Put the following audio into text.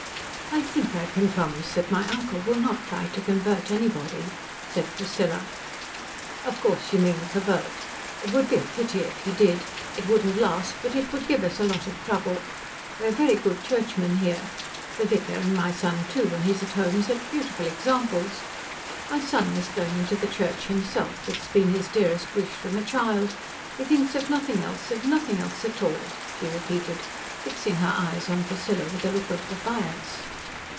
"I think I can promise that my uncle will not try to convert anybody," said Priscilla. "Of course you mean pervert. It would be a pity if he did. It wouldn't last, but it would give us a lot of trouble. We are very good Churchmen here. The vicar, and my son too when he's at home, set beautiful examples. My son is going into the Church himself. It has been his dearest wish from a child. He thinks of nothing else of nothing else at all," she repeated, fixing her eyes on Priscilla with a look of defiance.